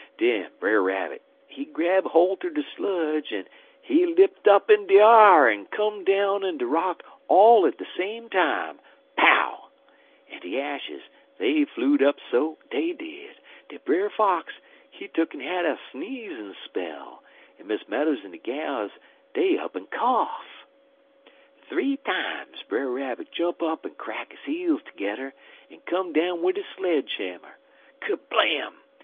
Den Brer Rabbit, he grab holt er de sludge, en he lipt up in de a'r en come down on de rock all at de same time pow! en de ashes, dey flew'd up so, dey did, dat Brer Fox, he tuck'n had a sneezin' spell, en Miss Meadows en de gals dey up'n koff. Th'ee times Brer Rabbit jump up en crack his heels tergedder en come down wid de sludge hammer ker blam!